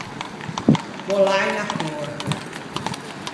Mollâ unna còrda.